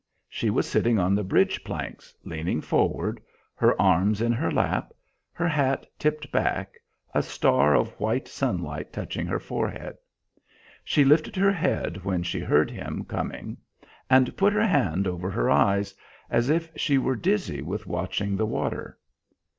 She was sitting on the bridge planks, leaning forward, her arms in her lap, her hat tipped back, a star of white sunlight touching her forehead. She lifted her head when she heard him coming and put her hand over her eyes, as if she were dizzy with watching the water.